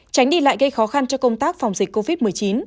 tránh đi lại gây khó khăn cho công tác phòng dịch covid một mươi chín